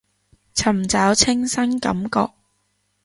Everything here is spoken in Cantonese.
尋找清新感覺